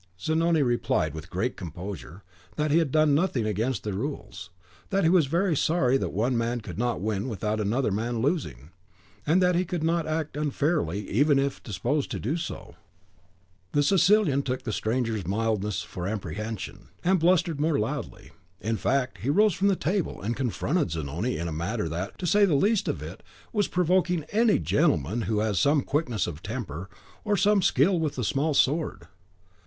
Zanoni replied, with great composure, that he had done nothing against the rules, that he was very sorry that one man could not win without another man losing; and that he could not act unfairly, even if disposed to do so. The Sicilian took the stranger's mildness for apprehension, and blustered more loudly. In fact, he rose from the table, and confronted Zanoni in a manner that, to say the least of it, was provoking to any gentleman who has some quickness of temper, or some skill with the small sword."